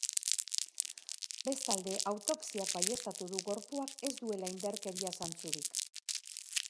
Bestalde, autopsiak baieztatu du gorpuak ez duela indarkeria zantzurik.